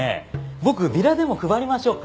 僕ビラでも配りましょうか？